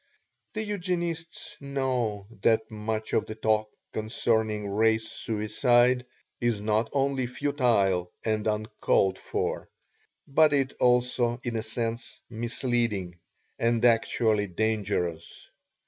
The Eugenists know that much of the talk concerning Race Suicide is not only futile and uncalled for, but is also in a sense misleading and actually dangerous.